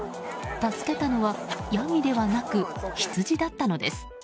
助けたのはヤギではなくヒツジだったのです。